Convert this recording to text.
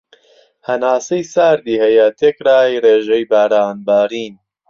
هەناسەی ساردی هەیە تێکرای رێژەی باران بارین